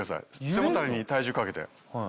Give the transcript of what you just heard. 背もたれに体重かけて。